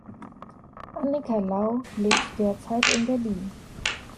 Annika Lau lebt derzeit in Berlin.